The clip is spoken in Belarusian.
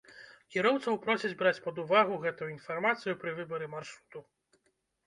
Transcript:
Кіроўцаў просяць браць пад увагу гэтую інфармацыю пры выбары маршруту.